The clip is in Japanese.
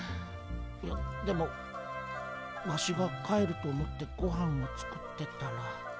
いやでもワシが帰ると思ってごはんを作ってたら。